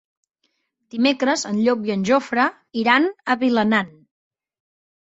Dimecres en Llop i en Jofre iran a Vilanant.